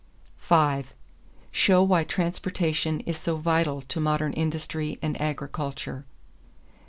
5. Show why transportation is so vital to modern industry and agriculture.